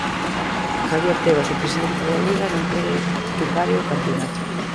Javier Tebas, o presidente da Liga, non quere que pare o campionato.